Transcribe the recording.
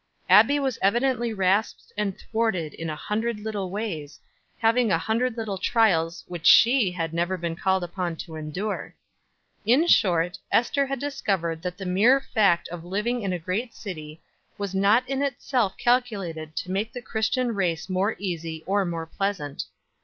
Abbie was evidently rasped and thwarted in a hundred little ways, having a hundred little trials which she had never been called upon to endure. In short, Ester had discovered that the mere fact of living in a great city was not in itself calculated to make the Christian race more easy or more pleasant.